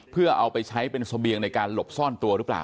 เพื่อเอาไปใช้เป็นเสบียงในการหลบซ่อนตัวหรือเปล่า